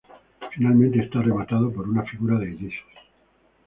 Finalmente está rematado por una figura de Jesús.